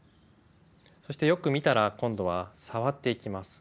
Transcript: そしてよく見たら今度は触っていきます。